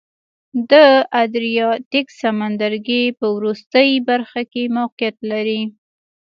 د ادریاتیک سمندرګي په وروستۍ برخه کې موقعیت لري.